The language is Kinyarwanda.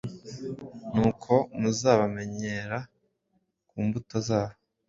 nuko muzabamenyera ku mbuto zabo.